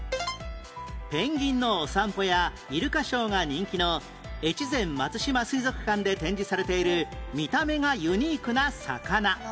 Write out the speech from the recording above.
ペンギンのおさんぽやイルカショーが人気の越前松島水族館で展示されている見た目がユニークな魚